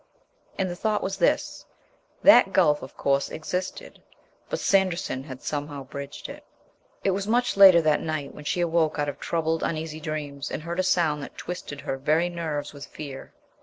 And the thought was this: That gulf, of course, existed, but Sanderson had somehow bridged it. It was much later than night when she awoke out of troubled, uneasy dreams and heard a sound that twisted her very nerves with fear.